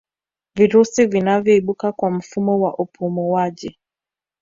virusi vinavyoibuka kwa mfumo wa upumuwaji